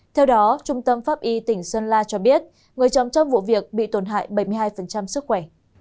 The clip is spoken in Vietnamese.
theo đó trung tâm pháp y tỉnh sơn la cho biết người chồng trong vụ việc bị tổn hại bảy mươi hai sức khỏe